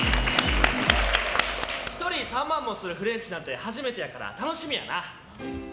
１人、３万もするフレンチなんて初めてやから楽しみやな。